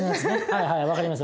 はいはい分かります